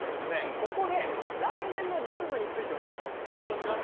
ここで来年のブームについても予想します。